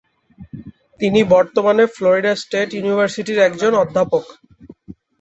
তিনি বর্তমানে Florida State ইউনিভার্সিটির একজন অধ্যাপক।